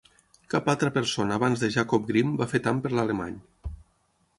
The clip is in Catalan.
Cap altra persona abans de Jakob Grimm va fer tant per l'alemany.